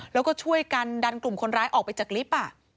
แล้วก็ช่วยกันดันกลุ่มคนร้ายออกไปจากลิฟต์